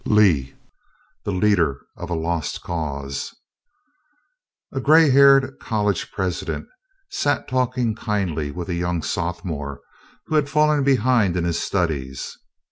LEE THE LEADER OF A LOST CAUSE A gray haired college president sat talking kindly with a young sophomore who had fallen behind in his studies.